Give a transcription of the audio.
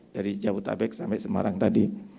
dari jabutabek sampai semarang tadi